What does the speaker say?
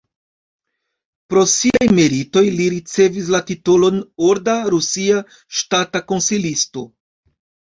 Pro siaj meritoj li ricevis la titolon "Orda rusia ŝtata konsilisto".